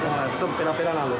ペラペラなんです。